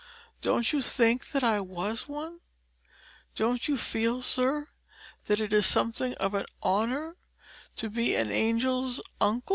Don't you think that I was one? And don't you feel, sir, that it is something of an honor to be an angel's uncle?